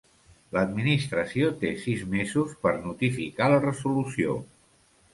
L'Administració té sis mesos per notificar la resolució.